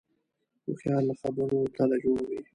هوښیار له خبرو تله جوړوي